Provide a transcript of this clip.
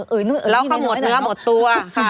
เออนี่หน่อยนะครับค่ะค่ะค่ะแล้วเขาหมดเนื้อหมดตัว